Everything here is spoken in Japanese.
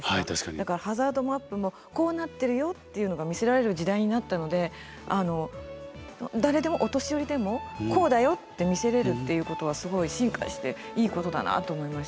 だからハザードマップもこうなってるよっていうのが見せられる時代になったので誰でもお年寄りでもこうだよって見せれるっていうことはすごい進化していいことだなと思いました。